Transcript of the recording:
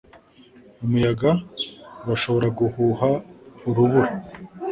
Umuyaga urashobora guhuha urubura